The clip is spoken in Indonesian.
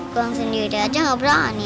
buang sendiri aja nggak berani